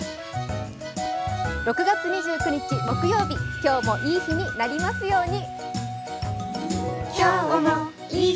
６月２９日木曜日今日もいい日になりますように。